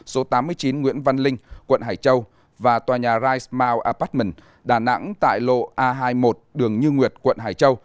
số tám mươi chín nguyễn văn linh quận hải châu và tòa nhà risem muel apatment đà nẵng tại lộ a hai mươi một đường như nguyệt quận hải châu